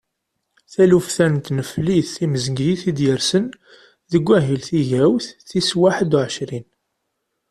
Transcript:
Taluft-a n tneflit timezgit i d-yersen deg wahil tigawt tis waḥedd u ɛecrin.